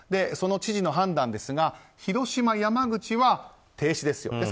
その知事の判断ですが広島、山口は停止ですよ。